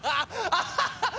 アハハッ！